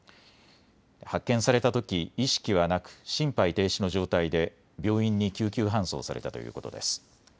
発見されたとき意識はなく心肺停止の状態で病院に救急搬送されたということです。